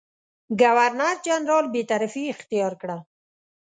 ګورنرجنرال بېطرفي اختیار کړه.